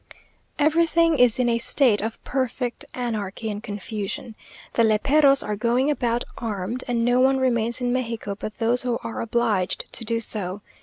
Everything is in a state of perfect anarchy and confusion. The léperos are going about armed, and no one remains in Mexico but those who are obliged to do so.